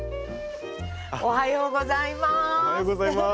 おはようございます。